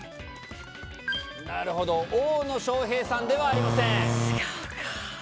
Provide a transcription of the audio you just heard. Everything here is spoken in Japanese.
大野将平さんではありません。